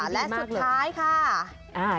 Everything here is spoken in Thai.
และสุดท้ายค่ะ